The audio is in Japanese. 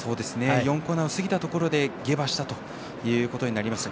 ４コーナーを過ぎたところで下馬したということになりました。